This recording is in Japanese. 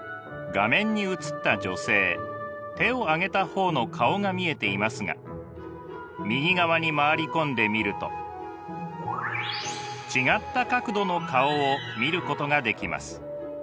画面に映った女性手を上げた方の顔が見えていますが右側に回り込んで見ると違った角度の顔を見ることができます。